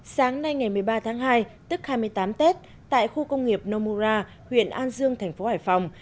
sáng nay ngày một mươi ba tháng hai tức hai mươi tám tết tại khu công nghiệp nomura huyện an dương thành phố hải phòng